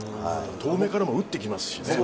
遠めからも打ってきますしね。